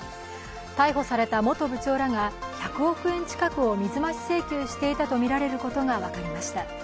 逮捕された元部長らが１００億円近くを水増し請求していたとみられることが分かりました。